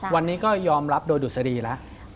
วันนี้ก็ยอมรับโดยดุษฎีแล้ว